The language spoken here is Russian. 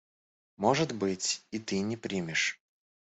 Может быть, и ты не примешь.